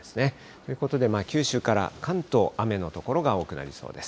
ということで、九州から関東、雨の所が多くなりそうです。